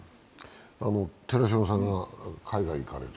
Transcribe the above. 寺島さんが海外に行かれて。